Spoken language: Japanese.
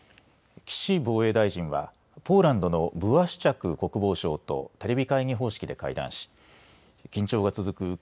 岸防衛大臣はポーランドのブワシュチャク国防相とテレビ会議方式で会談し緊張が続く